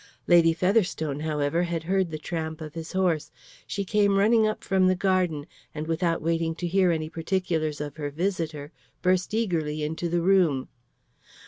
Lady Featherstone, however, had heard the tramp of his horse; she came running up from the garden, and without waiting to hear any particulars of her visitor, burst eagerly into the room.